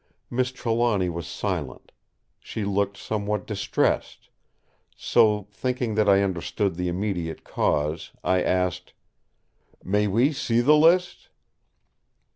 Miss Trelawny was silent. She looked somewhat distressed; so, thinking that I understood the immediate cause, I asked: "May we see the list?"